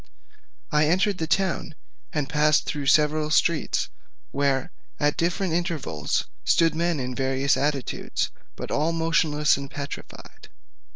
I entered the town and passed through several streets, where at different intervals stood men in various attitudes, but all motionless and petrified.